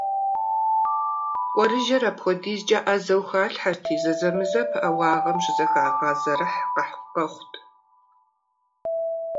КӀурыжэр апхуэдизкӀэ Ӏэзэу халъхьэрти, зэзэмызэ пыӏэ уагъэм щыхагъэзэрыхь къэхъурт.